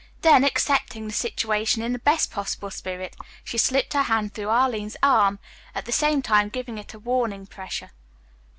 Then, accepting the situation in the best possible spirit, she slipped her hand through Arline's arm, at the same time giving it a warning pressure.